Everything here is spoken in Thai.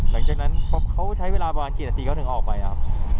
หลังจากนั้นเค้าใช้เวลาประมาณกี่สักสิทธิ์เค้าถึงออกไปครับ